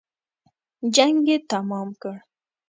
جنګ یې تمام کړ.